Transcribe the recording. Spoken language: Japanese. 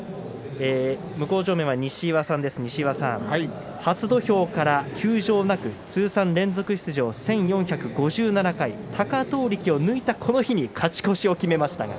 西岩さん初土俵から休場なく通算出場が１４５７回、貴闘力を抜いたこの日に勝ち越しを決めました。